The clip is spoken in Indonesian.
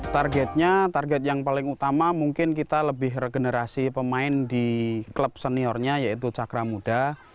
targetnya target yang paling utama mungkin kita lebih regenerasi pemain di klub seniornya yaitu cakra muda